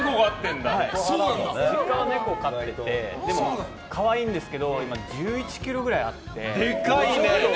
実家は猫を飼っていて可愛いんですけど１１ｋｇぐらいあって。